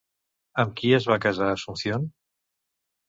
Amb qui es va casar Asunción?